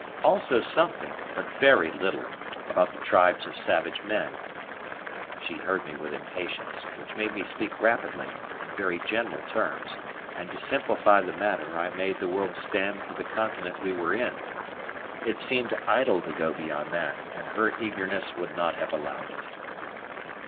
Also something, but very little, about the tribes of savage men. She heard me with impatience, which made me speak rapidly, in very general terms; and to simplify the matter I made the world stand for the continent we were in. It seemed idle to go beyond that, and her eagerness would not have allowed it.